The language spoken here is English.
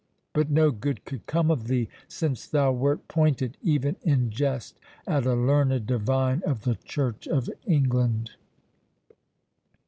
But no good could come of thee, since thou wert pointed, even in jest, at a learned divine of the Church of England."